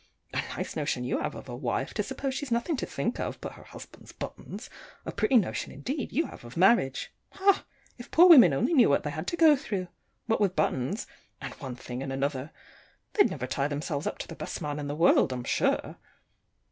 A nice notion you have of a wife, to suppose she's nothing to think of but her husband's buttons. A pretty notion, indeed, you have of marriage. Ha! if poor women only knew what they had to go through! What with buttons and one thing and another! They'd never tie themselves up to the best man in the world, I'm sure.